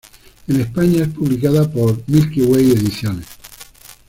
En España es publicada por Milky Way Ediciones.